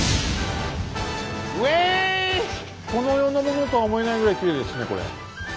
うぇい！この世のものとは思えないぐらいきれいですねこれ。